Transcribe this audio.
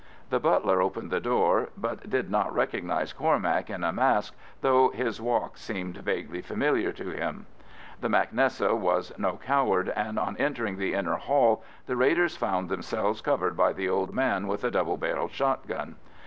The butler opened the door, but did not recognise Cormac in a mask, though his walk seemed vaguely familiar to him. The mac Nessa was no coward, and on entering the inner hall, the raiders found themselves covered by the old man with a double barrelled shot gun.